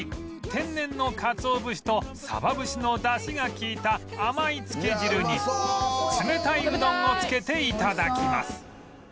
天然のカツオ節とサバ節のダシが利いた甘いつけ汁に冷たいうどんをつけて頂きます